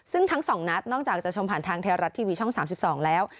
ซึ่งทั้ง๒นัดนอกจากจะชมผ่านทางไทยรัฐทีวีช่อง๓๒แล้ว